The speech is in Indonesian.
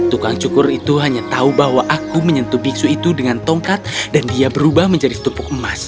tukang cukur itu hanya tahu bahwa aku menyentuh biksu itu dengan tongkat dan dia berubah menjadi setupuk emas